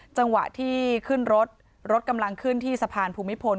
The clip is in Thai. จังหวะที่ขึ้นรถรถกำลังขึ้นที่สะพานภูมิพล